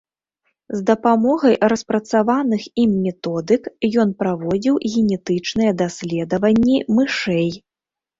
З дапамогай распрацаваных ім методык ён праводзіў генетычныя даследаванні мышэй.